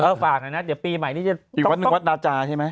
ฝากหน่อยนะเดี๋ยวปีใหม่นี้จะอีกวัดหนึ่งวัดนาจาใช่ไหม